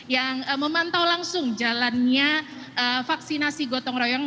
yang memantau langsung jalannya vaksinasi gotong royong